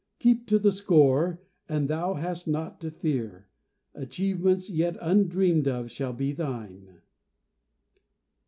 Keep to the score, and thou hast naught to fear; Achievements yet undreamed of shall be thine.